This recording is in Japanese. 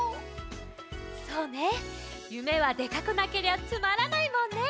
そうねゆめはでかくなけりゃつまらないもんね！